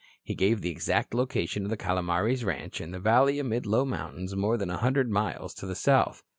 He gave the exact location of the Calomares ranch, in a valley amid low mountains more than one hundred miles to the south.